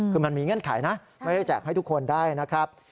คือมันมีเงื่อนไขนะไม่ได้แจกให้ทุกคนได้นะครับ